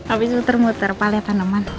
habis muter muter pak lihat tanaman